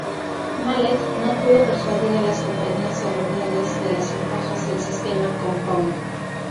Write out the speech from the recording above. Mallet no pudo persuadir a las compañías ferroviarias de las ventajas del sistema compound.